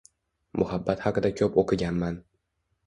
Muhabbat haqida koʻp oʻqiganman.